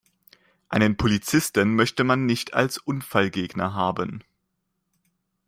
Einen Polizisten möchte man nicht als Unfallgegner haben.